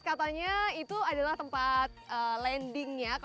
katanya itu adalah tempat landingnya